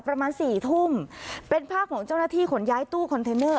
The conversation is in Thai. ประมาณสี่ทุ่มเป็นภาพของเจ้าหน้าที่ขนย้ายตู้คอนเทนเนอร์